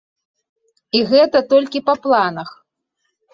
І гэта толькі па планах!